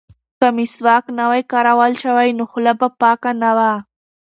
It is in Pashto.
که مسواک نه وای کارول شوی نو خوله به پاکه نه وه.